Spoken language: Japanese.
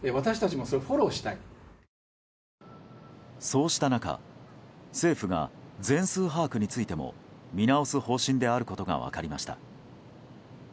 そうした中、政府が全数把握についても見直す方針であることが分かりました。